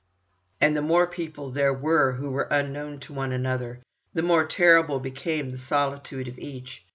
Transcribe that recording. And the more people there were, who were unknown to one another, the more terrible became the solitude of each.